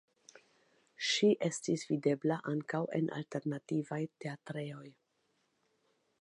Ŝi estis videbla ankaŭ en alternativaj teatrejoj.